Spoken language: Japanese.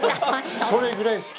それぐらい好き。